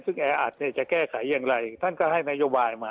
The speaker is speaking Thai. ซึ่งแออัดเนี่ยจะแก้ไขอย่างไรท่านก็ให้นโยบายมา